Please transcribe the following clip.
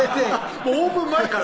オープン前から？